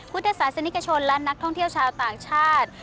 พุทธศาสนิกชนและนักท่องเที่ยวชาวต่างชาติ